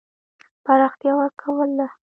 پراختیا ورکول ده.